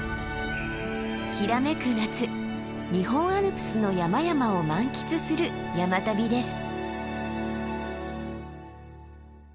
きらめく夏日本アルプスの山々を満喫する山旅です。